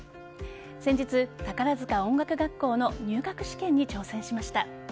先日、宝塚音楽学校の入学試験に挑戦しました。